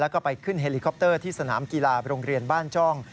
แล้วก็ไปขึ้นเฮลิคอปเตอร์ที่สนามกีฬาโรงเรียนบ้านจ้อง